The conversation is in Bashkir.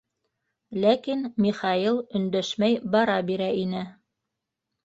Ләкин Михаил өндәшмәй бара бирә ине.